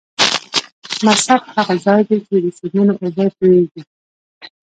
مصب هغه ځاي دې چې د سیندونو اوبه تویږي.